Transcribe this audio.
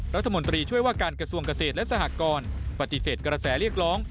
รัฐมนตรีช่วยว่าการกระทรวงเกษตรและสหกรปฏิเสธกระแสเรียกร้อง